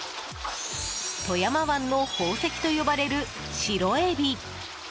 富山湾の宝石と呼ばれる白エビ。